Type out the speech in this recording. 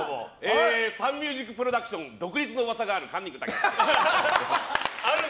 サンミュージックプロダクション独立の噂があるカンニング竹山です。